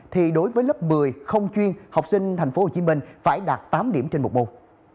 thì đối với lớp một mươi không chuyên học sinh tp hcm phải đạt tám điểm trên một môn